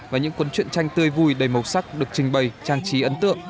và những cuốn truyện tranh tươi vui đầy màu sắc được trình bày trang trí ấn tượng